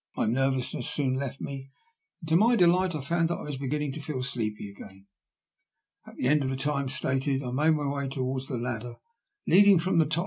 My nervousness soon left me, and to my delight I found that I was beginning to feel sleepy again. At the end of the time stated I made my way towards the ladder leading from 116 THE LUST OP HAT2.